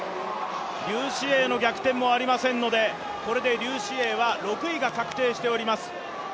劉詩穎の逆転もありませんので、これで劉詩穎は６位を確定しています。